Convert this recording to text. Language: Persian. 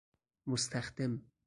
مستخدم